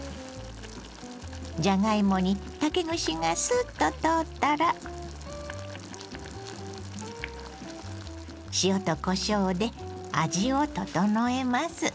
じゃがいもに竹串がすっと通ったら塩とこしょうで味を調えます。